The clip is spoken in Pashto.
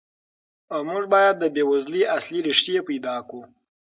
موږ باید د بېوزلۍ اصلي ریښې پیدا کړو.